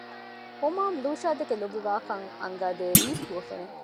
ހުމާމް ލޫޝާދެކެ ލޯބިވާކަން އަންގަދޭ ރީތި ހުވަފެނެއް